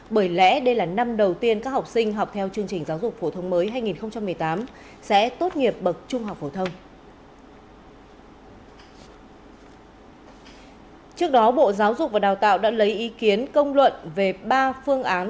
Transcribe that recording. bởi lẽ đây là năm đầu tiên các học sinh học theo chương trình giáo dục phổ thông mới hai nghìn một mươi tám sẽ tốt nghiệp bậc trung học phổ thông